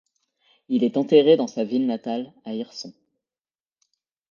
Il est enterré dans sa ville natale, à Hirson.